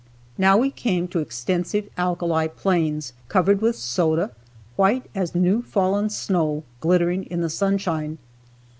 Now we came to extensive alkali plains, covered with soda, white as new fallen snow, glittering in the sunshine.